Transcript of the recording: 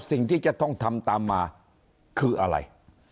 สิ่งที่จะต้องทำตามมาคืออะไร